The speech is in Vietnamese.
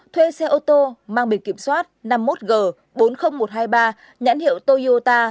thuê xe ô tô mang biển kiểm soát năm mươi một g bốn mươi nghìn một trăm hai mươi ba nhãn hiệu toyota